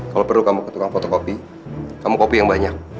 kalau perlu kamu ketukang fotokopi kamu kopi yang banyak